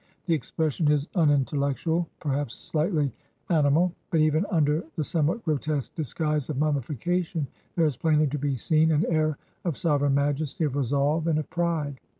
The expression is unintellectual, perhaps sHghtly ani mal; but even under the somewhat grotesque disguise of mummification there is plainly to be seen an air of sovereign majesty, of resolve, and of pride.